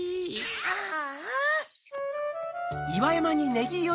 ああ。